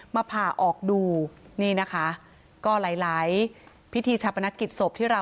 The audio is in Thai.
ผ่าออกดูนี่นะคะก็หลายหลายพิธีชาปนกิจศพที่เรา